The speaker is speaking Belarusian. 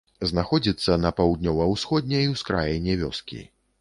Знаходзіцца на паўднёва-ўсходняй ускраіне вёскі.